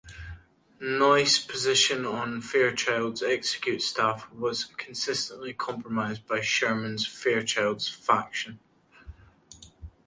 Noyce's position on Fairchild's executive staff was consistently compromised by Sherman Fairchild's faction.